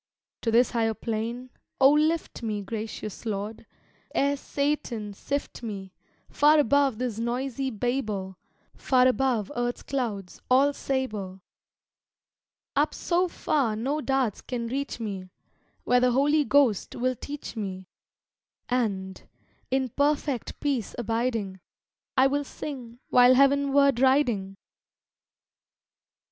To this higher plain, O lift me, Gracious Lord! ere Satan sift me, Far above this noisy Babel; Far above earth's clouds, all sable; Up so far no darts can reach me, Where the Holy Ghost will teach me; And, in perfect peace abiding, I will sing while heavenward riding!